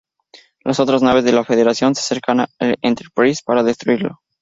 Las otras naves de la Federación se acercan al "Enterprise" para destruirlo.